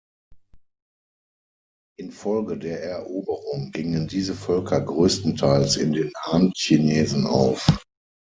Infolge der Eroberung gingen diese Völker größtenteils in den Han-Chinesen auf.